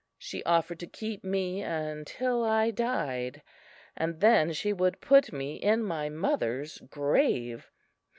She offered to keep me until I died, and then she would put me in my mother's grave.